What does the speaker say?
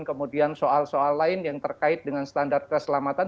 kemudian soal soal lain yang terkait dengan standar keselamatan